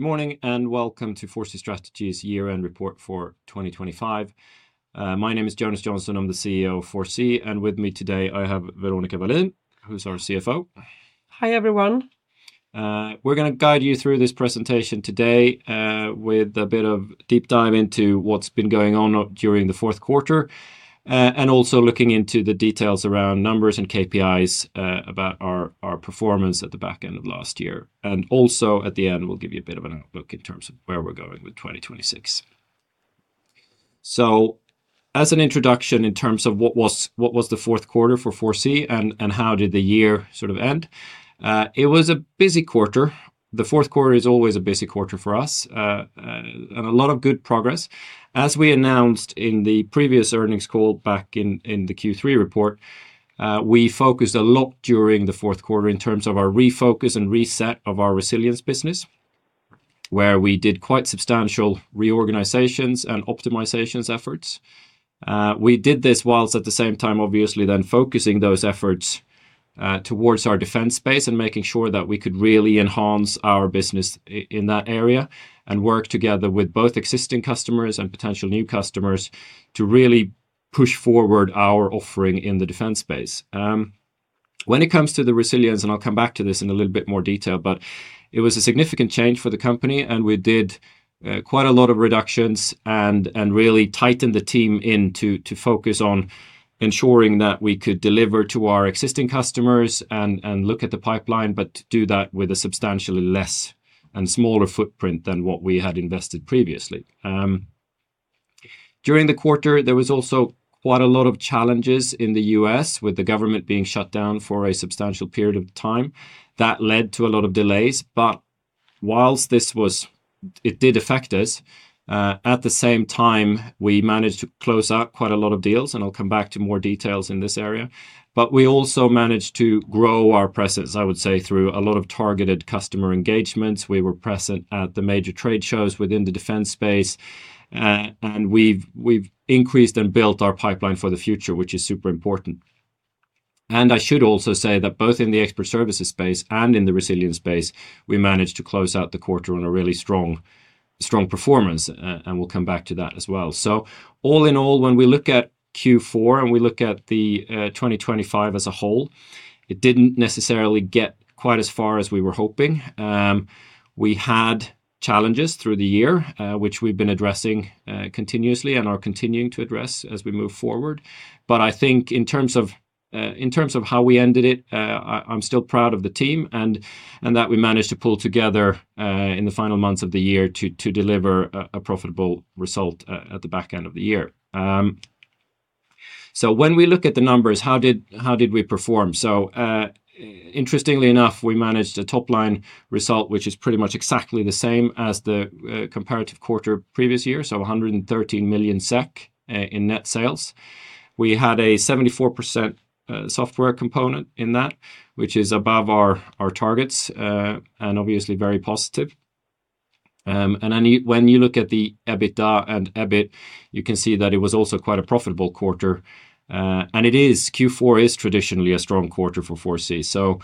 Good morning, and welcome to 4C Strategies Year-End Report for 2025. My name is Jonas Jonsson, I'm the CEO of 4C, and with me today, I have Veronica Wallin, who's our CFO. Hi, everyone. We're gonna guide you through this presentation today, with a bit of deep dive into what's been going on during the fourth quarter, and also looking into the details around numbers and KPIs, about our, our performance at the back end of last year. Also at the end, we'll give you a bit of an outlook in terms of where we're going with 2026. As an introduction, in terms of what was, what was the fourth quarter for 4C and, and how did the year sort of end? It was a busy quarter. The fourth quarter is always a busy quarter for us, and a lot of good progress. As we announced in the previous earnings call back in, in the Q3 report, we focused a lot during the fourth quarter in terms of our refocus and reset of our resilience business, where we did quite substantial reorganizations and optimizations efforts. We did this whilst at the same time, obviously, then focusing those efforts towards our defense space and making sure that we could really enhance our business in that area, and work together with both existing customers and potential new customers to really push forward our offering in the defense space. When it comes to the resilience, and I'll come back to this in a little bit more detail, but it was a significant change for the company, and we did quite a lot of reductions and really tightened the team in to focus on ensuring that we could deliver to our existing customers and look at the pipeline, but to do that with a substantially less and smaller footprint than what we had invested previously. During the quarter, there was also quite a lot of challenges in the U.S., with the government being shut down for a substantial period of time. That led to a lot of delays, but while this was, it did affect us, at the same time, we managed to close out quite a lot of deals, and I'll come back to more details in this area. But we also managed to grow our presence, I would say, through a lot of targeted customer engagements. We were present at the major trade shows within the defense space, and we've increased and built our pipeline for the future, which is super important. And I should also say that both in the expert services space and in the resilience space, we managed to close out the quarter on a really strong, strong performance, and we'll come back to that as well. So all in all, when we look at Q4, and we look at the 2025 as a whole, it didn't necessarily get quite as far as we were hoping. We had challenges through the year, which we've been addressing continuously and are continuing to address as we move forward. But I think in terms of, in terms of how we ended it, I'm still proud of the team and that we managed to pull together, in the final months of the year to deliver a profitable result at the back end of the year. So when we look at the numbers, how did we perform? So, interestingly enough, we managed a top-line result, which is pretty much exactly the same as the comparative quarter previous year, so 113 million SEK in net sales. We had a 74% software component in that, which is above our targets, and obviously very positive. And then when you look at the EBITDA and EBIT, you can see that it was also quite a profitable quarter, and it is. Q4 is traditionally a strong quarter for 4C. So,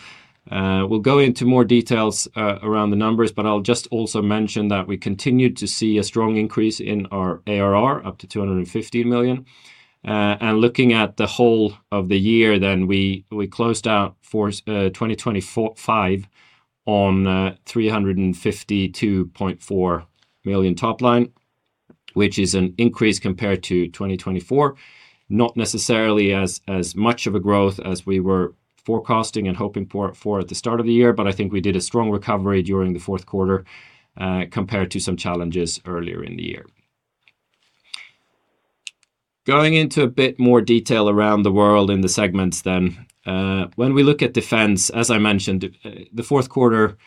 we'll go into more details around the numbers, but I'll just also mention that we continued to see a strong increase in our ARR, up to 250 million. And looking at the whole of the year, then we closed out 2025 on 352.4 million top line, which is an increase compared to 2024. Not necessarily as much of a growth as we were forecasting and hoping for at the start of the year, but I think we did a strong recovery during the fourth quarter, compared to some challenges earlier in the year. Going into a bit more detail around the world in the segments then, when we look at defense, as I mentioned, the fourth quarter,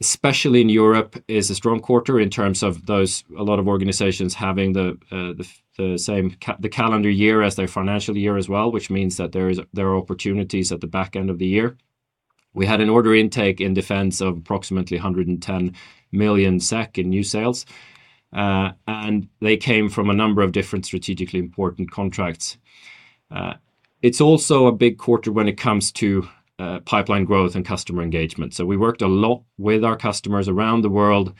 especially in Europe, is a strong quarter in terms of those. A lot of organizations having the same calendar year as their financial year as well, which means that there are opportunities at the back end of the year. We had an order intake in defense of approximately 110 million SEK in new sales, and they came from a number of different strategically important contracts. It's also a big quarter when it comes to pipeline growth and customer engagement. So we worked a lot with our customers around the world,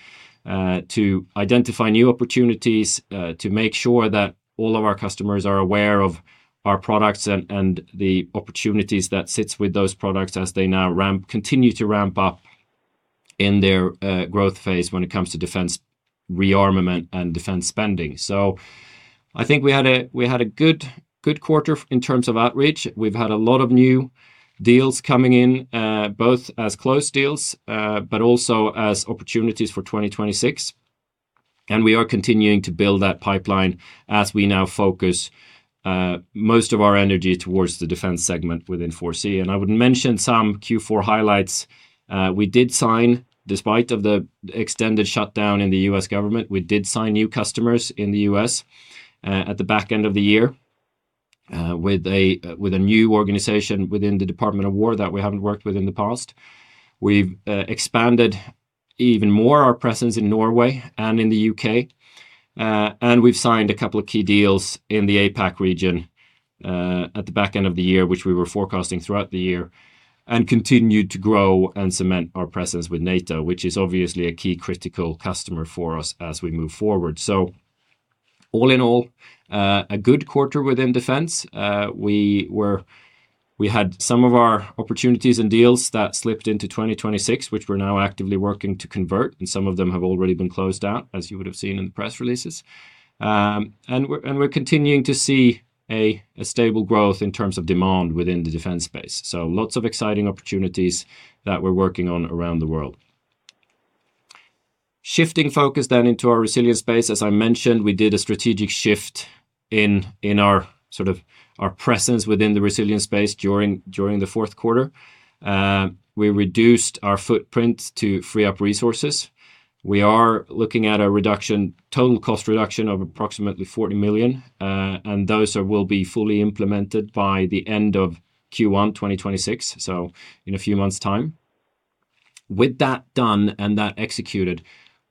to identify new opportunities, to make sure that all of our customers are aware of our products and, and the opportunities that sits with those products as they now continue to ramp up in their, growth phase when it comes to defense rearmament and defense spending. So I think we had a good quarter in terms of outreach. We've had a lot of new deals coming in, both as closed deals, but also as opportunities for 2026, and we are continuing to build that pipeline as we now focus, most of our energy towards the defense segment within 4C. And I would mention some Q4 highlights. We did sign, despite of the extended shutdown in the U.S. government, we did sign new customers in the U.S., at the back end of the year, with a, with a new organization within the Department of War that we haven't worked with in the past. We've expanded even more our presence in Norway and in the U.K., and we've signed a couple of key deals in the APAC region, at the back end of the year, which we were forecasting throughout the year, and continued to grow and cement our presence with NATO, which is obviously a key critical customer for us as we move forward. All in all, a good quarter within defense. We had some of our opportunities and deals that slipped into 2026, which we're now actively working to convert, and some of them have already been closed out, as you would have seen in the press releases. We're continuing to see a stable growth in terms of demand within the defense space. So lots of exciting opportunities that we're working on around the world. Shifting focus then into our resilience space. As I mentioned, we did a strategic shift in our sort of our presence within the resilience space during the fourth quarter. We reduced our footprint to free up resources. We are looking at a total cost reduction of approximately 40 million, and those will be fully implemented by the end of Q1 2026, so in a few months' time. With that done and that executed,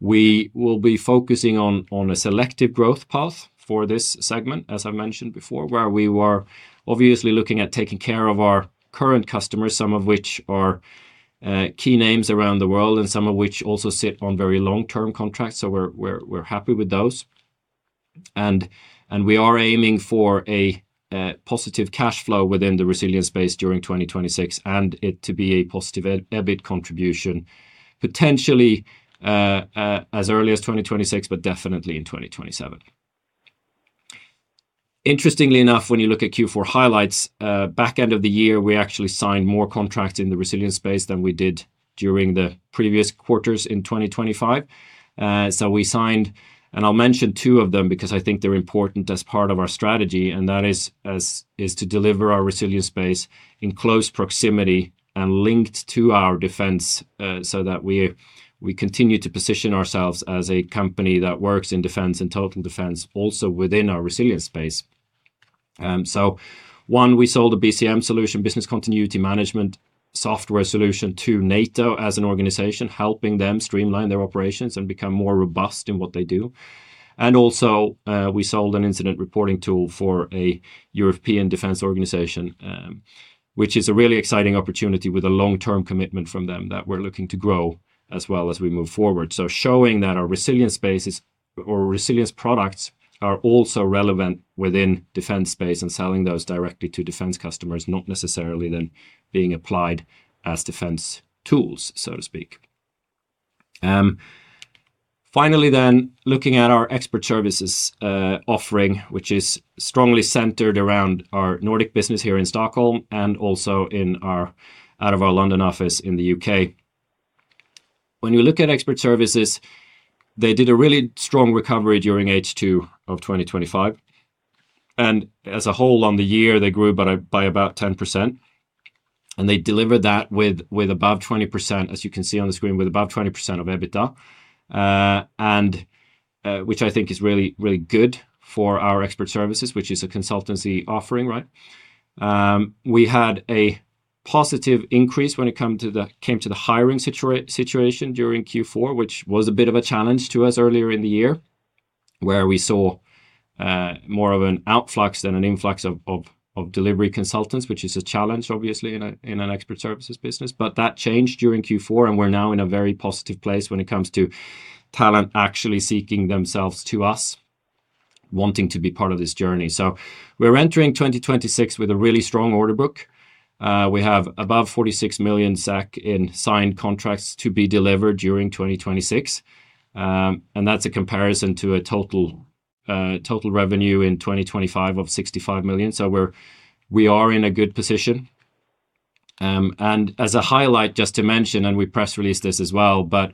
we will be focusing on a selective growth path for this segment, as I mentioned before, where we were obviously looking at taking care of our current customers, some of which are key names around the world, and some of which also sit on very long-term contracts. So we're happy with those. And we are aiming for a positive cash flow within the resilience space during 2026, and it to be a positive EBIT contribution, potentially as early as 2026, but definitely in 2027. Interestingly enough, when you look at Q4 highlights, back end of the year, we actually signed more contracts in the resilience space than we did during the previous quarters in 2025. So we signed... And I'll mention two of them because I think they're important as part of our strategy, and that is to deliver our resilience space in close proximity and linked to our defense, so that we continue to position ourselves as a company that works in defense and total defense also within our resilience space. So one, we sold a BCM solution, business continuity management software solution, to NATO as an organization, helping them streamline their operations and become more robust in what they do. And also, we sold an incident reporting tool for a European defense organization, which is a really exciting opportunity with a long-term commitment from them that we're looking to grow as well as we move forward. So showing that our resilience space is, or resilience products are also relevant within defense space and selling those directly to defense customers, not necessarily then being applied as defense tools, so to speak. Finally, then, looking at our Expert Services offering, which is strongly centered around our Nordic business here in Stockholm and also in our, out of our London office in the U.K. When you look at Expert Services, they did a really strong recovery during H2 of 2025, and as a whole, on the year, they grew by about 10%, and they delivered that with above 20%, as you can see on the screen, with above 20% of EBITDA, and which I think is really, really good for our Expert Services, which is a consultancy offering, right? We had a positive increase when it came to the hiring situation during Q4, which was a bit of a challenge to us earlier in the year, where we saw more of an outflux than an influx of delivery consultants, which is a challenge, obviously, in an expert services business. But that changed during Q4, and we're now in a very positive place when it comes to talent actually seeking themselves to us, wanting to be part of this journey. So we're entering 2026 with a really strong order book. We have above 46 million in signed contracts to be delivered during 2026. And that's a comparison to a total revenue in 2025 of 65 million. So we are in a good position. And as a highlight, just to mention, and we press released this as well, but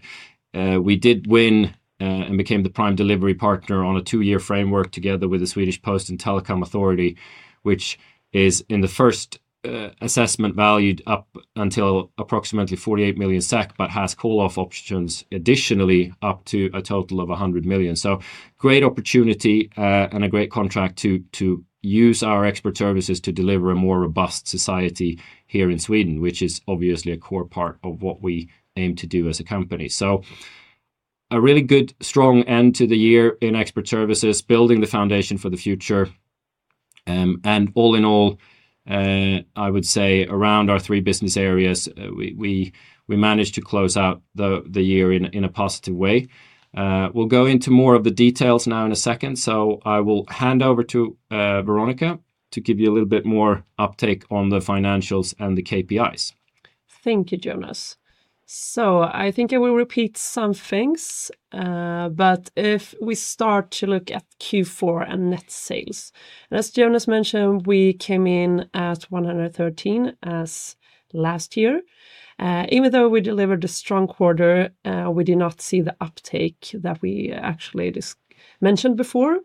we did win and became the prime delivery partner on a two-year framework together with the Swedish Post and Telecom Authority, which is, in the first assessment, valued up until approximately 48 million SEK, but has call-off options additionally, up to a total of 100 million. So, great opportunity and a great contract to use our Expert Services to deliver a more robust society here in Sweden, which is obviously a core part of what we aim to do as a company. So a really good, strong end to the year in Expert Services, building the foundation for the future. All in all, I would say around our three business areas, we managed to close out the year in a positive way. We'll go into more of the details now in a second. I will hand over to Veronica to give you a little bit more uptake on the financials and the KPIs. Thank you, Jonas. So I think I will repeat some things, but if we start to look at Q4 and net sales, as Jonas mentioned, we came in at 113 million, as last year. Even though we delivered a strong quarter, we did not see the uptake that we actually just mentioned before.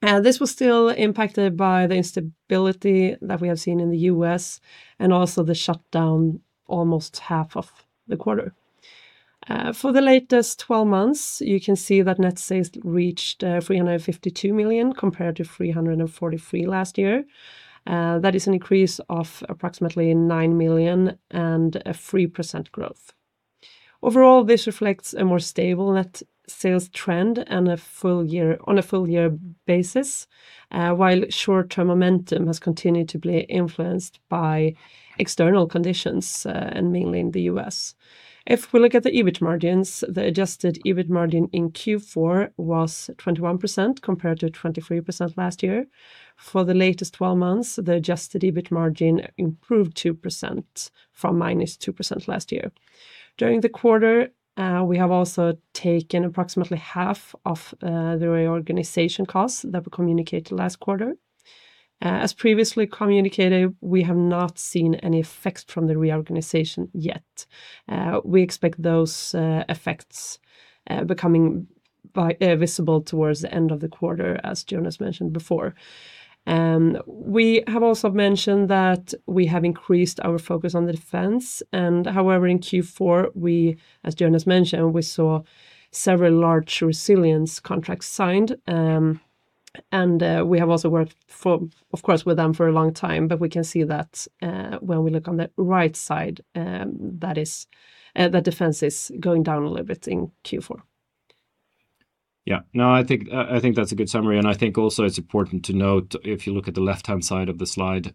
This was still impacted by the instability that we have seen in the U.S. and also the shutdown, almost half of the quarter. For the latest 12 months, you can see that net sales reached 352 million, compared to 343 million last year. That is an increase of approximately 9 million and a 3% growth... Overall, this reflects a more stable net sales trend and a full year, on a full year basis, while short-term momentum has continued to be influenced by external conditions, and mainly in the U.S. If we look at the EBIT margins, the adjusted EBIT margin in Q4 was 21%, compared to 23% last year. For the latest 12 months, the adjusted EBIT margin improved 2% from -2% last year. During the quarter, we have also taken approximately half of the reorganization costs that we communicated last quarter. As previously communicated, we have not seen any effects from the reorganization yet. We expect those effects becoming by visible towards the end of the quarter, as Jonas mentioned before. We have also mentioned that we have increased our focus on the defense, and however, in Q4, we, as Jonas mentioned, we saw several large resilience contracts signed. We have also worked for, of course, with them for a long time, but we can see that, when we look on the right side, that is, the defense is going down a little bit in Q4. Yeah. No, I think, I think that's a good summary, and I think also it's important to note, if you look at the left-hand side of the slide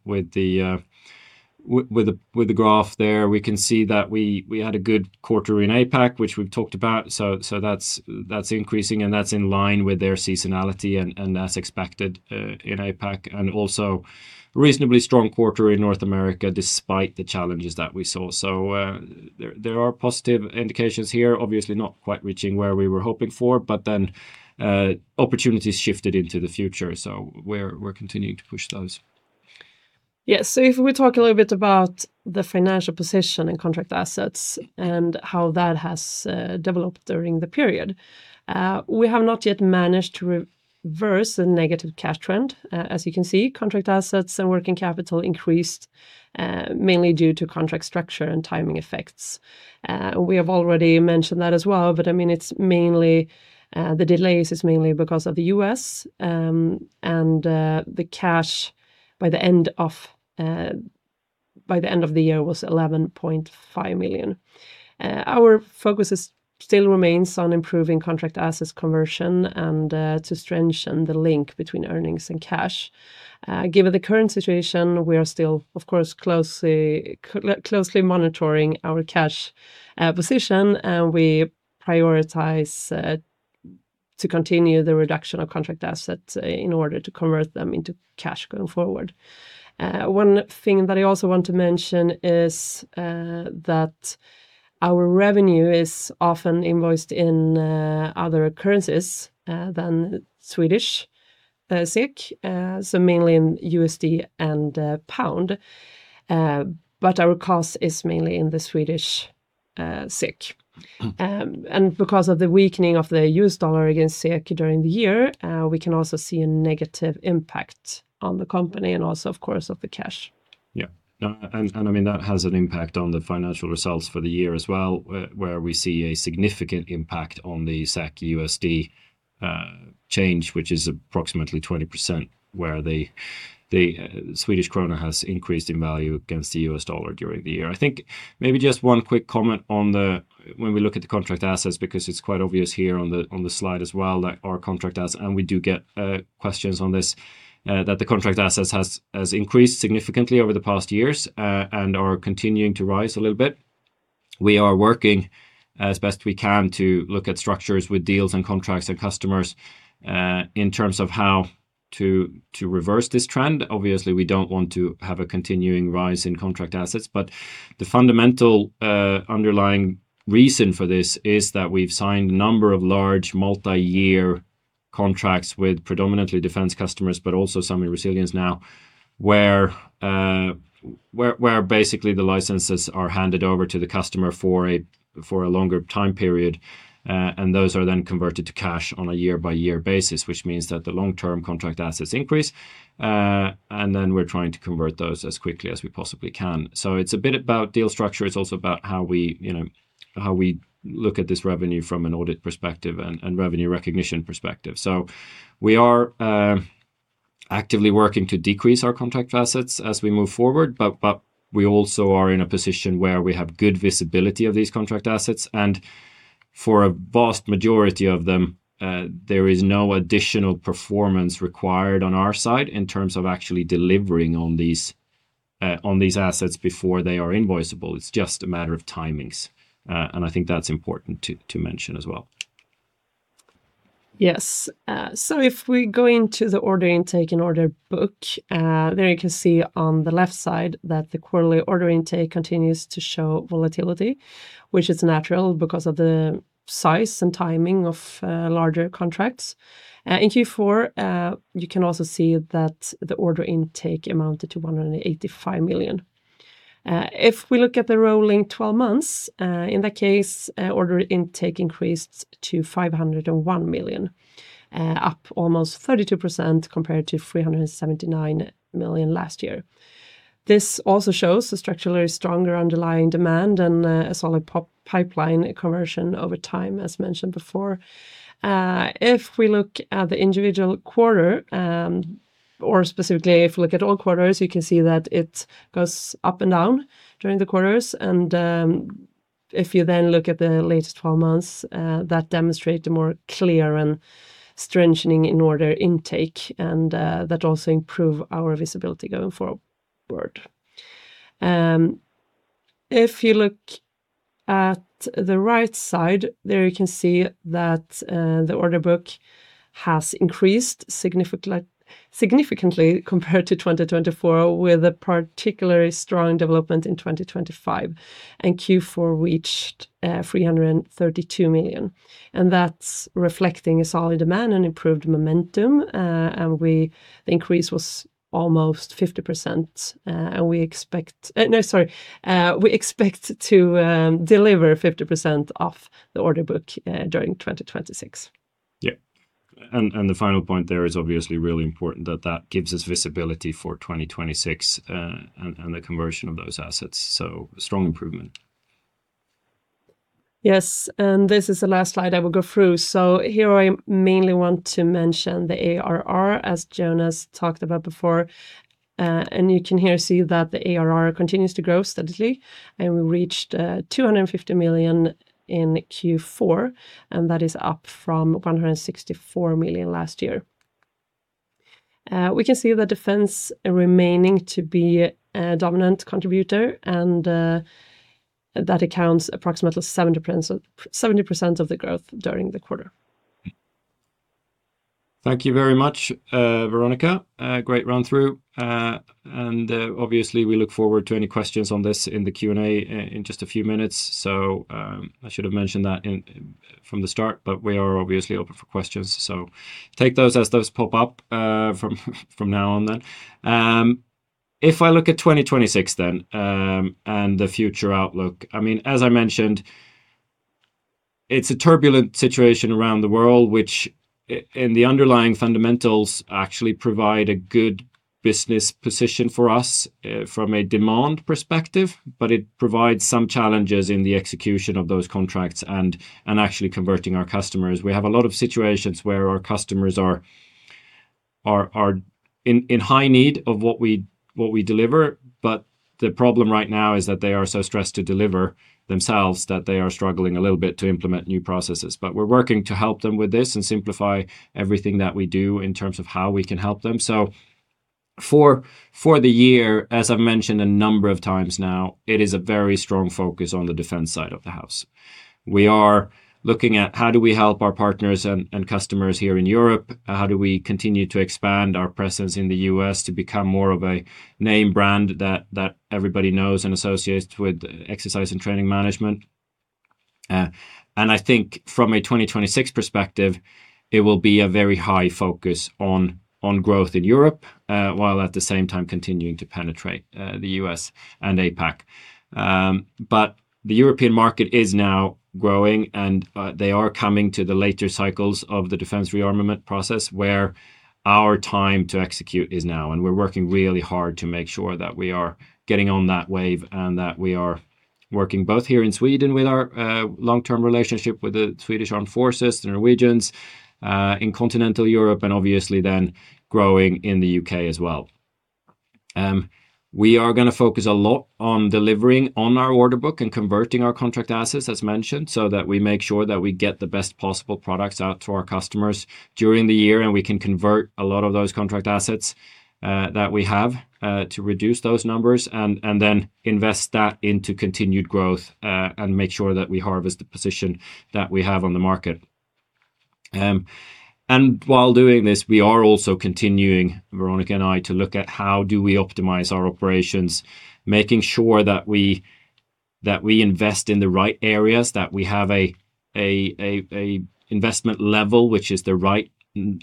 with the graph there, we can see that we had a good quarter in APAC, which we've talked about. So, that's increasing, and that's in line with their seasonality and as expected in APAC, and also reasonably strong quarter in North America, despite the challenges that we saw. So, there are positive indications here, obviously not quite reaching where we were hoping for, but then, opportunities shifted into the future, so we're continuing to push those. Yes. So if we talk a little bit about the financial position and contract assets and how that has developed during the period. We have not yet managed to reverse the negative cash trend. As you can see, contract assets and working capital increased, mainly due to contract structure and timing effects. We have already mentioned that as well, but I mean, it's mainly the delays is mainly because of the U.S., and the cash by the end of the year was 11.5 million. Our focus is still remains on improving contract assets conversion and to strengthen the link between earnings and cash. Given the current situation, we are still, of course, closely monitoring our cash position, and we prioritize to continue the reduction of contract assets in order to convert them into cash going forward. One thing that I also want to mention is that our revenue is often invoiced in other currencies than Swedish SEK, so mainly in USD and pound. But our cost is mainly in the Swedish SEK. Mm-hmm. Because of the weakening of the U.S. dollar against SEK during the year, we can also see a negative impact on the company and also, of course, of the cash. Yeah. And I mean, that has an impact on the financial results for the year as well, where we see a significant impact on the SEK to USD change, which is approximately 20%, where the Swedish krona has increased in value against the U.S. dollar during the year. I think maybe just one quick comment on when we look at the contract assets, because it's quite obvious here on the slide as well, that our contract assets, and we do get questions on this, that the contract assets has increased significantly over the past years, and are continuing to rise a little bit. We are working as best we can to look at structures with deals and contracts and customers in terms of how to reverse this trend. Obviously, we don't want to have a continuing rise in contract assets, but the fundamental underlying reason for this is that we've signed a number of large, multi-year contracts with predominantly defense customers, but also some in resilience now, where basically the licenses are handed over to the customer for a longer time period, and those are then converted to cash on a year-by-year basis, which means that the long-term contract assets increase, and then we're trying to convert those as quickly as we possibly can. So it's a bit about deal structure. It's also about how we, you know, how we look at this revenue from an audit perspective and revenue recognition perspective. So we are actively working to decrease our contract assets as we move forward, but, but we also are in a position where we have good visibility of these contract assets, and for a vast majority of them, there is no additional performance required on our side in terms of actually delivering on these, on these assets before they are invoiceable. It's just a matter of timings, and I think that's important to, to mention as well. Yes. So if we go into the order intake and order book, there you can see on the left side that the quarterly order intake continues to show volatility, which is natural because of the size and timing of larger contracts. In Q4, you can also see that the order intake amounted to 185 million. If we look at the rolling twelve months, in that case, order intake increased to 501 million, up almost 32% compared to 379 million last year. This also shows a structurally stronger underlying demand and a solid pipeline conversion over time, as mentioned before. If we look at the individual quarter, or specifically, if you look at all quarters, you can see that it goes up and down during the quarters. If you then look at the latest 12 months, that demonstrate a more clear and strengthening in order intake, and that also improve our visibility going forward. If you look at the right side, there you can see that the order book has increased significantly compared to 2024, with a particularly strong development in 2025, and Q4 reached 332 million. And that's reflecting a solid demand and improved momentum, and the increase was almost 50%, and we expect to deliver 50% of the order book during 2026. Yeah. And the final point there is obviously really important, that that gives us visibility for 2026, and the conversion of those assets. So a strong improvement. Yes, and this is the last slide I will go through. So here I mainly want to mention the ARR, as Jonas talked about before. And you can here see that the ARR continues to grow steadily, and we reached 250 million in Q4, and that is up from 164 million last year. We can see the defense remaining to be a dominant contributor, and that accounts approximately 70%, 70% of the growth during the quarter. Thank you very much, Veronica. Great run-through. And obviously, we look forward to any questions on this in the Q&A in just a few minutes. So, I should have mentioned that from the start, but we are obviously open for questions. So take those as those pop up, from now on then. If I look at 2026 then, and the future outlook, I mean, as I mentioned, it's a turbulent situation around the world, which and the underlying fundamentals actually provide a good business position for us, from a demand perspective, but it provides some challenges in the execution of those contracts and actually converting our customers. We have a lot of situations where our customers are in high need of what we deliver, but the problem right now is that they are so stressed to deliver themselves that they are struggling a little bit to implement new processes. But we're working to help them with this and simplify everything that we do in terms of how we can help them. So for the year, as I've mentioned a number of times now, it is a very strong focus on the defense side of the house. We are looking at how do we help our partners and customers here in Europe? How do we continue to expand our presence in the U.S. to become more of a name brand that everybody knows and associates with exercise and training management? I think from a 2026 perspective, it will be a very high focus on growth in Europe while at the same time continuing to penetrate the U.S. and APAC. But the European market is now growing, and they are coming to the later cycles of the defense rearmament process, where our time to execute is now, and we're working really hard to make sure that we are getting on that wave and that we are working both here in Sweden with our long-term relationship with the Swedish Armed Forces, the Norwegians, in continental Europe, and obviously then growing in the U.K. as well. We are gonna focus a lot on delivering on our order book and converting our contract assets, as mentioned, so that we make sure that we get the best possible products out to our customers during the year, and we can convert a lot of those contract assets that we have to reduce those numbers, and then invest that into continued growth and make sure that we harvest the position that we have on the market. While doing this, we are also continuing, Veronica and I, to look at how do we optimize our operations, making sure that we invest in the right areas, that we have a investment level, which is the right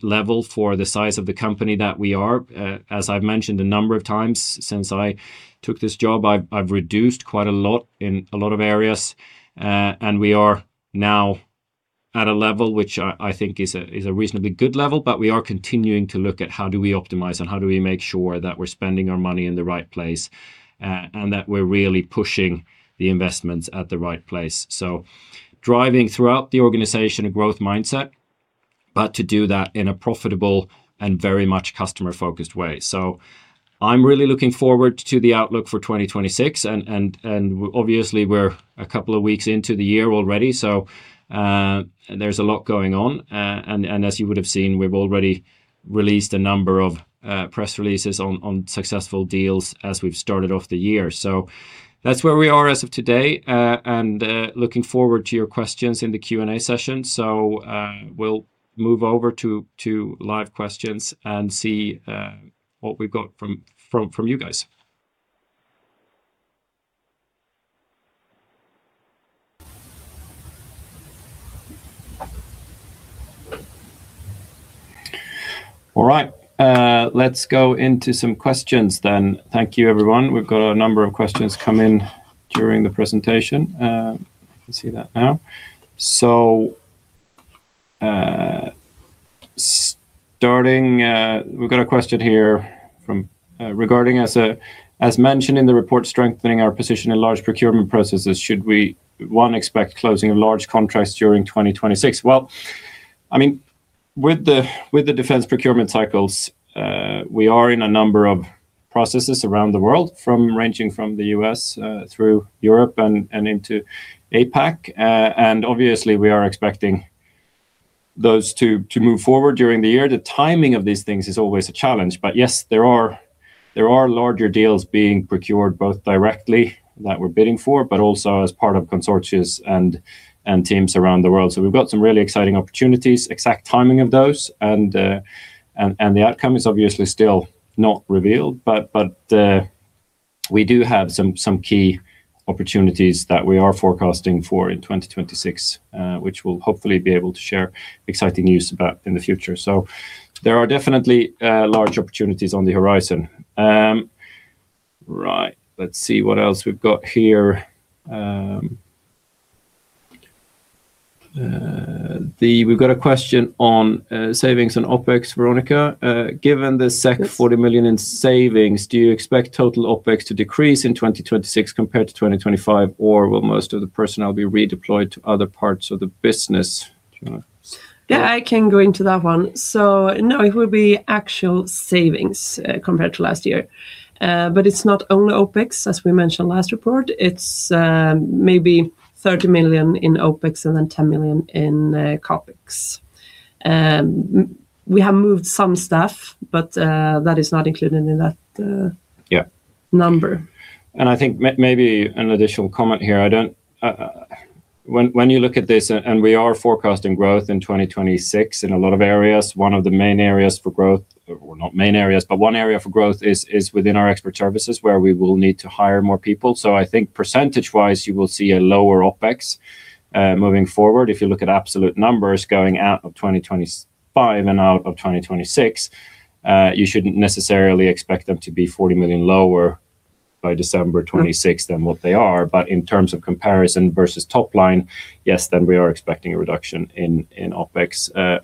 level for the size of the company that we are. As I've mentioned a number of times since I took this job, I've reduced quite a lot in a lot of areas, and we are now at a level which I think is a reasonably good level, but we are continuing to look at how do we optimize and how do we make sure that we're spending our money in the right place, and that we're really pushing the investments at the right place. So driving throughout the organization, a growth mindset, but to do that in a profitable and very much customer-focused way. So I'm really looking forward to the outlook for 2026, and obviously, we're a couple of weeks into the year already, so there's a lot going on. As you would have seen, we've already released a number of press releases on successful deals as we've started off the year. So that's where we are as of today, and looking forward to your questions in the Q&A session. So we'll move over to live questions and see what we've got from you guys. All right, let's go into some questions then. Thank you, everyone. We've got a number of questions come in during the presentation. I can see that now. So starting, we've got a question here from regarding, as mentioned in the report, strengthening our position in large procurement processes, should we one expect closing of large contracts during 2026? Well, I mean, with the defense procurement cycles, we are in a number of processes around the world, ranging from the U.S. through Europe and into APAC. And obviously we are expecting those to move forward during the year. The timing of these things is always a challenge. But yes, there are larger deals being procured, both directly that we're bidding for, but also as part of consortia and teams around the world. So we've got some really exciting opportunities, exact timing of those, and the outcome is obviously still not revealed. But we do have some key opportunities that we are forecasting for in 2026, which we'll hopefully be able to share exciting news about in the future. So there are definitely large opportunities on the horizon. Right. Let's see what else we've got here. We've got a question on savings and OpEx, Veronica. Given the- Yes... 40 million in savings, do you expect total OpEx to decrease in 2026 compared to 2025, or will most of the personnel be redeployed to other parts of the business? Do you wanna- Yeah, I can go into that one. So no, it will be actual savings, compared to last year. But it's not only OpEx, as we mentioned last report, it's maybe 30 million in OpEx and then 10 million in CapEx. We have moved some staff, but that is not included in that. Yeah -number. I think maybe an additional comment here, I don't. When you look at this, and we are forecasting growth in 2026 in a lot of areas, one of the main areas for growth, or not main areas, but one area for growth is within our expert services, where we will need to hire more people. So I think percentage-wise, you will see a lower OpEx moving forward. If you look at absolute numbers going out of 2025 and out of 2026, you shouldn't necessarily expect them to be 40 million lower by December 2026 than what they are. But in terms of comparison versus top line, yes, then we are expecting a reduction in OpEx.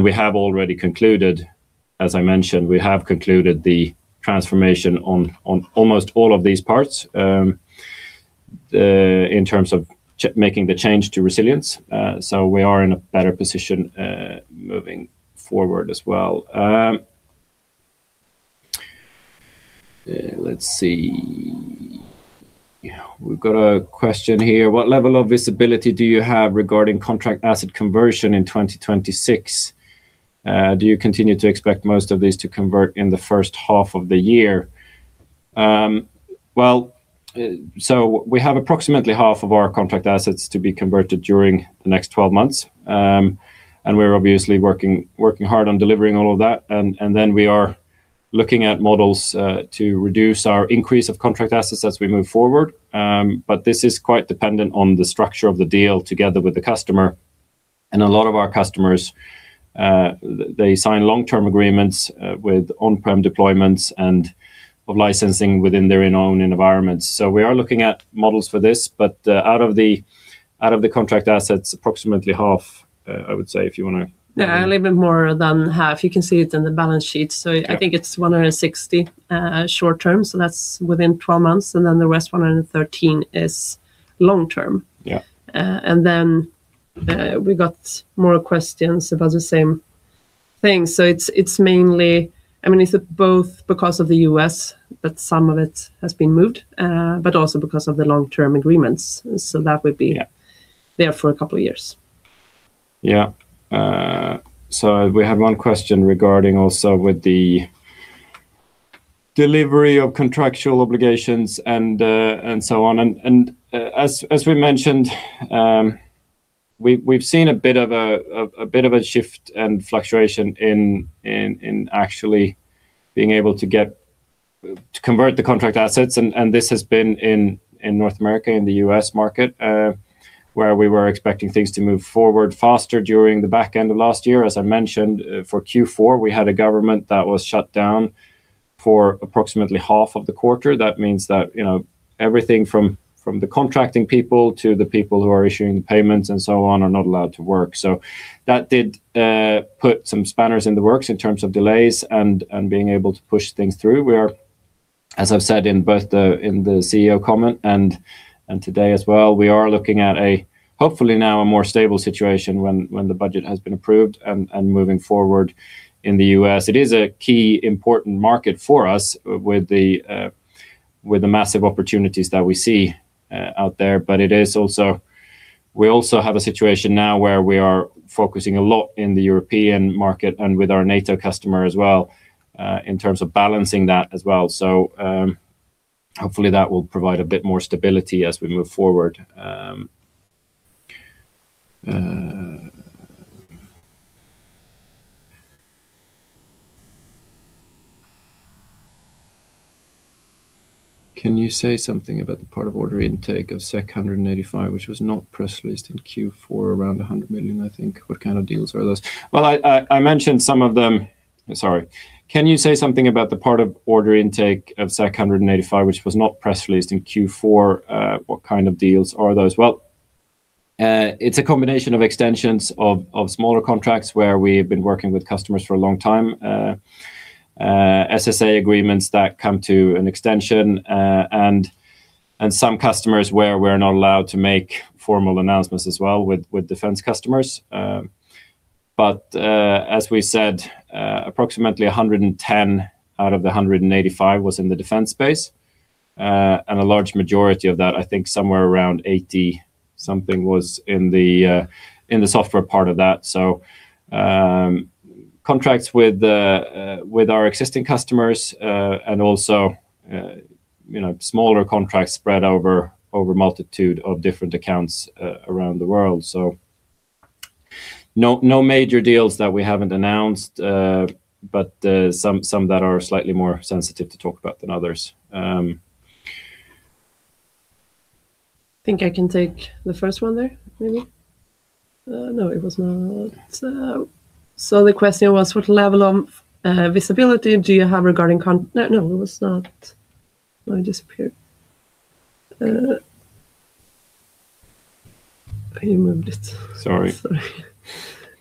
We have already concluded, as I mentioned, we have concluded the transformation on, on almost all of these parts, in terms of making the change to resilience. So we are in a better position, moving forward as well. Yeah, we've got a question here: What level of visibility do you have regarding contract asset conversion in 2026? Do you continue to expect most of these to convert in the first half of the year? So we have approximately half of our contract assets to be converted during the next 12 months. And we're obviously working, working hard on delivering all of that. And, and then we are looking at models to reduce our increase of contract assets as we move forward. But this is quite dependent on the structure of the deal together with the customer. And a lot of our customers, they sign long-term agreements, with on-prem deployments and of licensing within their own environments. So we are looking at models for this, but, out of the contract assets, approximately half, I would say, if you wanna- Yeah, a little bit more than half. You can see it in the balance sheet. Yeah. I think it's 160 short term, so that's within 12 months, and then the rest, 113, is long term. Yeah. And then we got more questions about the same thing. So it's, it's mainly, I mean, it's both because of the U.S., but some of it has been moved, but also because of the long-term agreements. So that would be- Yeah... there for a couple of years. Yeah. So we have one question regarding also with the delivery of contractual obligations and, and so on. As we mentioned, we've seen a bit of a shift and fluctuation in actually being able to convert the contract assets, and this has been in North America, in the U.S. market, where we were expecting things to move forward faster during the back end of last year. As I mentioned, for Q4, we had a government that was shut down for approximately half of the quarter. That means that, you know, everything from the contracting people to the people who are issuing the payments, and so on, are not allowed to work. So that did put some spanners in the works in terms of delays and being able to push things through. We are, as I've said, in both the CEO comment and today as well, we are looking at a, hopefully now a more stable situation when the budget has been approved and moving forward in the U.S. It is a key important market for us with the massive opportunities that we see out there. But it is also—we also have a situation now where we are focusing a lot in the European market and with our NATO customer as well, in terms of balancing that as well. So, hopefully, that will provide a bit more stability as we move forward. Can you say something about the part of order intake of 185 million, which was not press released in Q4, around SEK 100 million, I think. What kind of deals are those? Well, it's a combination of extensions of smaller contracts where we've been working with customers for a long time. SSA agreements that come to an extension, and some customers where we're not allowed to make formal announcements as well with defense customers. But, as we said, approximately 110 million out of the 185 million was in the defense space. And a large majority of that, I think somewhere around 80 million-something, was in the software part of that. So, contracts with our existing customers, and also, you know, smaller contracts spread over multitude of different accounts around the world. So no, no major deals that we haven't announced, but some that are slightly more sensitive to talk about than others. I think I can take the first one there, maybe? No, it was not. So the question was, what level of visibility do you have regarding con—no, no, it was not... It disappeared. You moved it. Sorry. Sorry.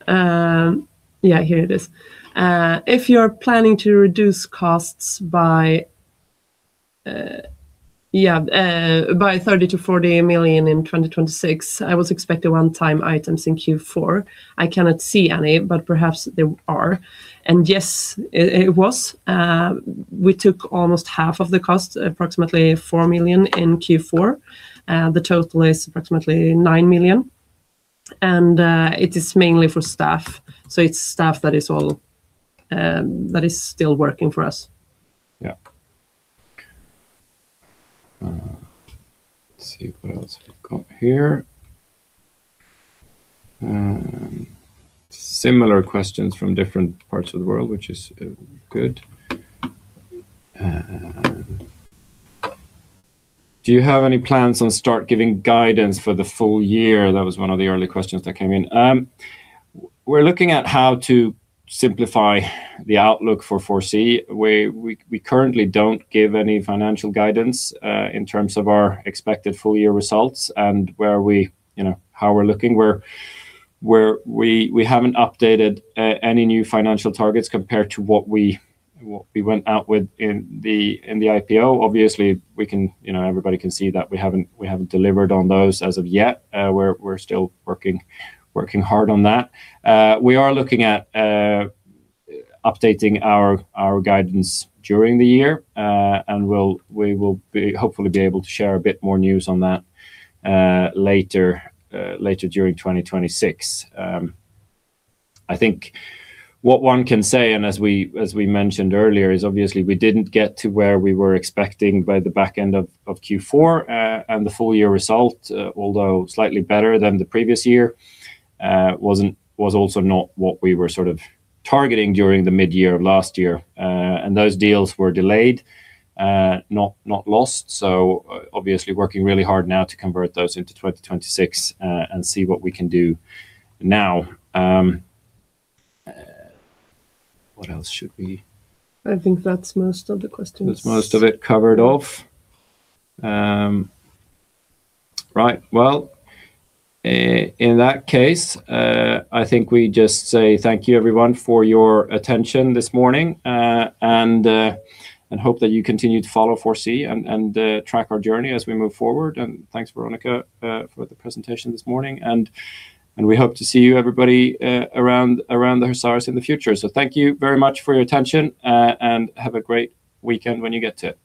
Yeah, here it is. If you're planning to reduce costs by, yeah, by 30 million-40 million in 2026, I was expecting one-time items in Q4. I cannot see any, but perhaps there are, and yes, it, it was. We took almost half of the cost, approximately 4 million in Q4, and the total is approximately 9 million, and, it is mainly for staff. So it's staff that is all, that is still working for us. Yeah. Let's see, what else have we got here? Similar questions from different parts of the world, which is good. Do you have any plans on start giving guidance for the full year? That was one of the early questions that came in. We're looking at how to simplify the outlook for 4C. We currently don't give any financial guidance in terms of our expected full year results and where we, you know, how we're looking. We haven't updated any new financial targets compared to what we went out with in the IPO. Obviously, we can, you know, everybody can see that we haven't delivered on those as of yet. We're still working hard on that. We are looking at updating our guidance during the year, and we will be, hopefully, able to share a bit more news on that later during 2026. I think what one can say, and as we mentioned earlier, is obviously we didn't get to where we were expecting by the back end of Q4. And the full year result, although slightly better than the previous year, was also not what we were sort of targeting during the mid-year of last year. And those deals were delayed, not lost. So obviously, working really hard now to convert those into 2026, and see what we can do now. What else should we- I think that's most of the questions. That's most of it covered off. Right. Well, in that case, I think we just say thank you, everyone, for your attention this morning. And hope that you continue to follow 4C and track our journey as we move forward. And thanks, Veronica, for the presentation this morning. And we hope to see you everybody around the stars in the future. So thank you very much for your attention, and have a great weekend when you get to it.